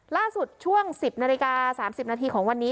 ล่าสุดช่วง๑๐นาฬิกา๓๐นาทีของวันนี้